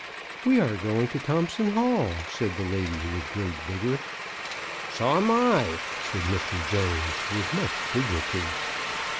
*'We are going to Thompson Hall," said the lady, with great vigor. " So am I," said Mr. Jones, with much dig nity.